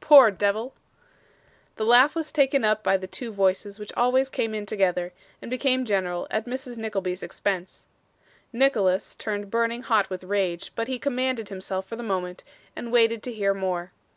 Poor deyvle!' The laugh was taken up by the two voices which always came in together, and became general at Mrs. Nickleby's expense. Nicholas turned burning hot with rage, but he commanded himself for the moment, and waited to hear more.